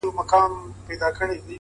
سر په سجدې نه راځي- عقل په توبې نه راځي-